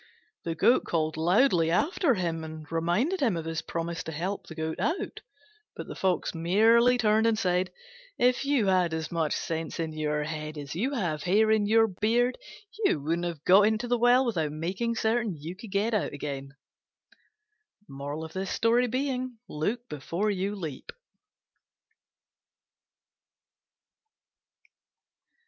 The Goat called loudly after him and reminded him of his promise to help him out: but the Fox merely turned and said, "If you had as much sense in your head as you have hair in your beard you wouldn't have got into the well without making certain that you could get out again." Look before your leap.